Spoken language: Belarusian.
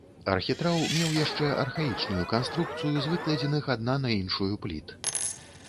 Архітраў меў яшчэ архаічную канструкцыю з выкладзеных адна на іншую пліт.